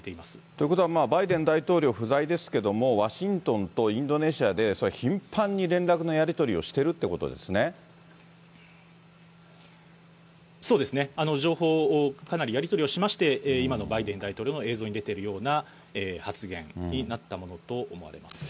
ということは、バイデン大統領不在ですけれども、ワシントンとインドネシアでそれは頻繁に連絡のやり取りをしていそうですね、情報をかなりやり取りをしまして、今のバイデン大統領の、映像に出ているような発言になったものと思われます。